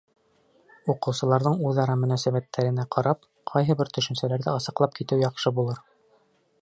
Уҡыусыларҙың үҙ-ара мөнәсәбәттәренә ҡарап, ҡайһы бер төшөнсәләрҙе асыҡлап китеү яҡшы булыр.